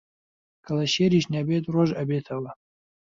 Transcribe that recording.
کەڵەشێریش نەبێت ڕۆژ ئەبێتەوە